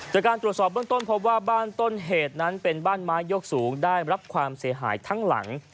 จากการตรวจสอบเบื้องต้นพบว่าบ้านต้นเหตุนั้นเป็นบ้านไม้ยกสูงได้รับความเสียหายทั้งหลัง